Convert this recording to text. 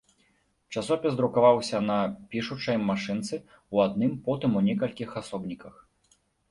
Часопіс друкаваўся на пішучай машынцы ў адным, потым у некалькіх асобніках.